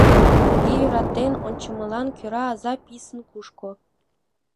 Тыге йӧратен ончымылан кӧра аза писын кушко.